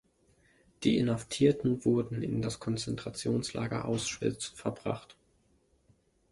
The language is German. Die Inhaftierten wurden in das Konzentrationslager Auschwitz verbracht.